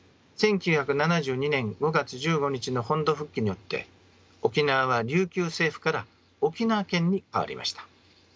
１９７２年５月１５日の本土復帰によって沖縄は琉球政府から沖縄県に変わりました。